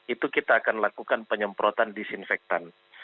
itu kita akan lakukan penyemprotan disinfektan